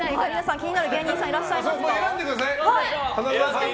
気になる芸人さんいらっしゃいますか？